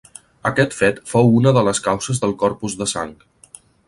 Aquest fet fou una de les causes del Corpus de Sang.